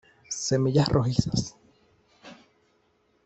Semillas rojizas.